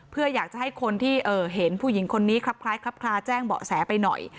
เพื่ออยากจะให้คนที่เห็นผู้หญิงคนนี้ครับคล้ายคลับคลาแจ้งเบาะแสไปหน่อย